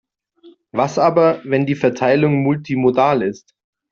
Was aber, wenn die Verteilung multimodal ist?